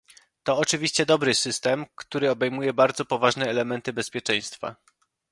To oczywiście dobry system, który obejmuje bardzo poważne elementy bezpieczeństwa